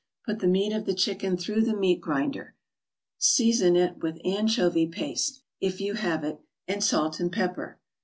Put the meat of the chicken through the meat grinder, season it with the anchovy paste, if you have it, and salt and pepper.